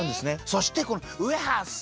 そしてこのウエハース。